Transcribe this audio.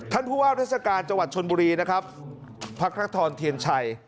ท่านผู้ว่าวทรัศกาลจังหวัดชนบุรีพรรคทรักษ์ธรรมเทียนชัย